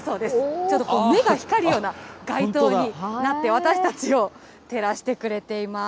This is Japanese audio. ちょっとこれ、目が光るような街灯になって、私たちを照らしてくれています。